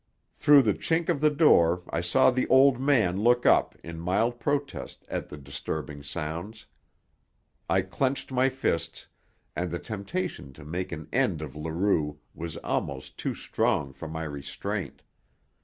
Through the chink of the door I saw the old man look up in mild protest at the disturbing sounds. I clenched my fists, and the temptation to make an end of Leroux was almost too strong for my restraint.